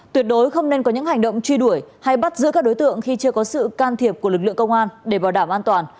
tuyệt đối không nên có những hành động truy đuổi hay bắt giữ các đối tượng khi chưa có sự can thiệp của lực lượng công an để bảo đảm an toàn